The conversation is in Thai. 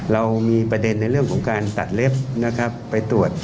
เรามีประเด็นในเรื่องของการตัดเล็บนะครับไปตรวจ